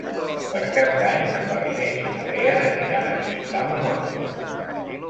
Per Cap d'Any na Farners i na Lea aniran a visitar mon oncle.